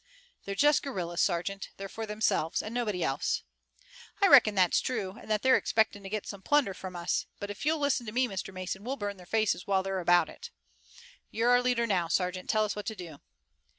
"They're just guerrillas, sergeant. They're for themselves and nobody else." "I reckon that's true, and they're expecting to get some plunder from us. But if you'll listen to me, Mr. Mason, we'll burn their faces while they're about it." "You're our leader now, sergeant. Tell us what to do."